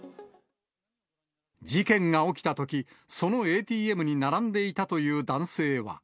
事件が起きたとき、そのＡＴＭに並んでいたという男性は。